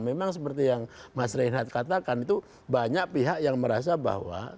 memang seperti yang mas reinhardt katakan itu banyak pihak yang merasa bahwa